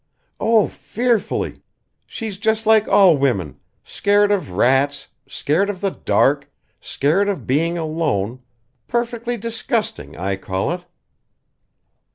"Oh! fearfully. She's just like all women scared of rats, scared of the dark, scared of being alone perfectly disgusting, I call it."